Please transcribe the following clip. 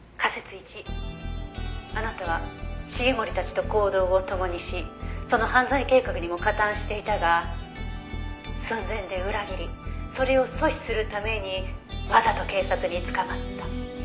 １あなたは繁森たちと行動を共にしその犯罪計画にも加担していたが寸前で裏切りそれを阻止するためにわざと警察に捕まった」